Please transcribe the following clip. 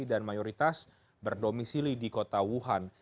dan mayoritas berdomisili di kota wuhan